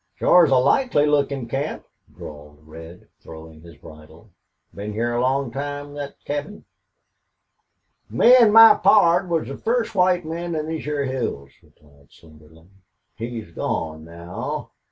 "Shore is a likely lookin' camp," drawled Red, throwing his bridle. "Been heah a long time, thet cabin." "Me an' my pard was the first white men in these hyar hills," replied Slingerland. "He's gone now."